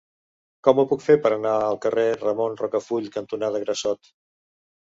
Com ho puc fer per anar al carrer Ramon Rocafull cantonada Grassot?